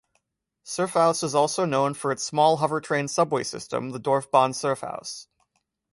Serfaus is also known for its small hovertrain subway system, the Dorfbahn Serfaus.